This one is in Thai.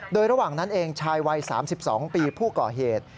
โดยระหว่างนั้นเองชายวัย๓๒ปีผู้ก่อเหตุ